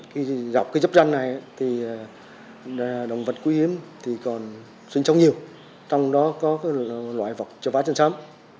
khi gặp cái dắp danh này thì đồng vật quý hiếm còn sinh sống nhiều trong đó có loại vọc trà vá chân xám